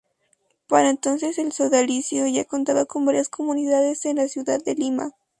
Para entonces el Sodalicio ya contaba con varias comunidades en la ciudad de Lima.